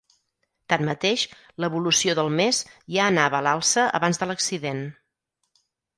Tanmateix, l’evolució del mes ja anava a l’alça abans de l’accident.